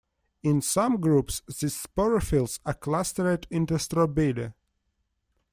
In some groups, these sporophylls are clustered into strobili.